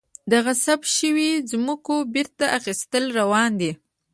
د غصب شویو ځمکو بیرته اخیستل روان دي؟